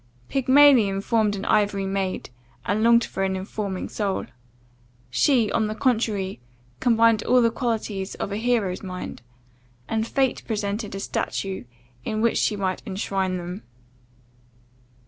Pygmalion formed an ivory maid, and longed for an informing soul. She, on the contrary, combined all the qualities of a hero's mind, and fate presented a statue in which she might enshrine them.